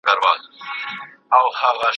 ایا استاد د څيړني ستونزي اوري؟